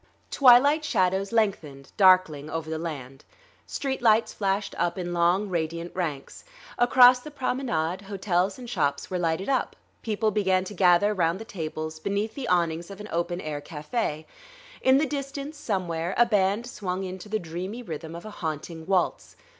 Twilight shadows lengthened, darkling, over the land; street lights flashed up in long, radiant ranks. Across the promenade hotels and shops were lighted up; people began to gather round the tables beneath the awnings of an open air café. In the distance, somewhere, a band swung into the dreamy rhythm of a haunting waltz.